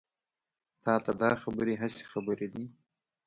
تا ته دا خبرې هسې خبرې دي.